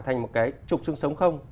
thành một cái trục sương sống không